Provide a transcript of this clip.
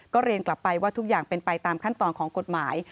ก็เรียนกลับไปว่าทุกอย่างเป็นไปตามขั้นตอนของกฎหมาย